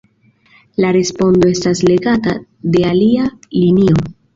La respondo estas legata de alia linio.